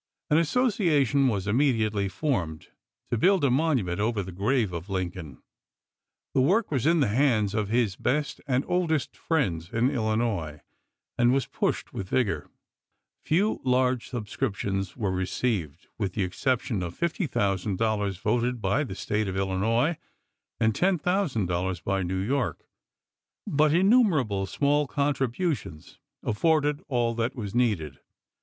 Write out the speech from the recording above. An association was immediately formed to build a monument over the grave of Lincoln. The work was in the hands of his best and oldest friends in Illinois, and was pushed with vigor. Few large subscriptions were received, with the exception of $50,000 voted by the State of Elinois and $10,000 by New York; but innumerable small contribu tions afforded all that was needed.